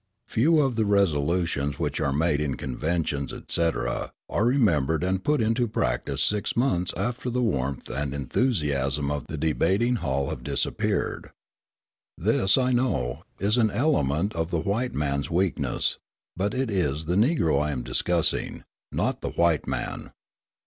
Few of the resolutions which are made in conventions, etc., are remembered and put into practice six months after the warmth and enthusiasm of the debating hall have disappeared. This, I know, is an element of the white man's weakness, but it is the Negro I am discussing, not the white man.